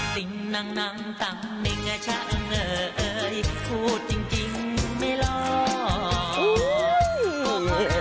สิ่งหนังต่างไม่ง่าชะเอิงเอ่ยพูดจริงไม่ร้อน